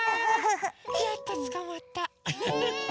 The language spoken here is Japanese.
やっとつかまったフフフ。